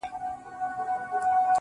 څه د اضدادو مجموعه یې د بلا لوري.